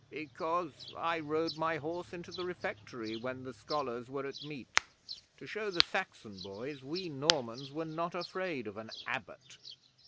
'Because I rode my horse into the refectory, when the scholars were at meat, to show the Saxon boys we Normans were not afraid of an Abbot.